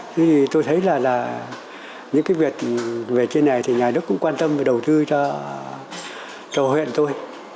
thế thì tôi thấy là những cái việc về trên này thì nhà nước cũng quan tâm và đầu tư cho huyện thôi